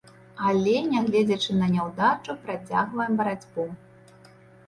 Але нягледзячы на няўдачу, працягваем барацьбу.